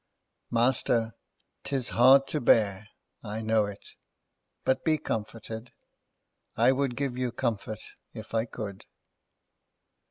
"Master, 'tis hard to bear—I know it—but be comforted. I would give you comfort, if I could."